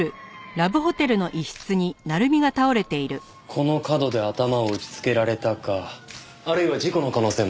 この角で頭を打ちつけられたかあるいは事故の可能性も。